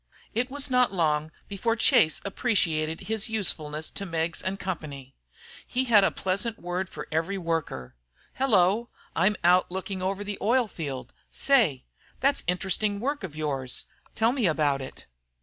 It was not long before Chase appreciated his usefulness to Meggs & Co. He had a pleasant word for every worker. "Hello! I'm out looking over the oil field. Say! That's interesting work of yours. Tell me about it."